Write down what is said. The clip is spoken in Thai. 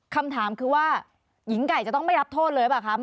คำถามคือว่าหญิงไก่จะต้องไม่รับโทษเลยหรือเปล่าครับ